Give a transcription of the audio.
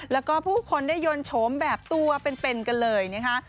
แล้วก็ผู้คนได้ยนต์โฉมแบบตัวเป็นกันเลยนะคะ